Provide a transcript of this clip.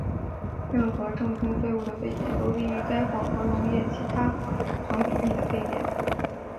任何正共沸物的沸点都低于该混合溶液其他组成比例的沸点。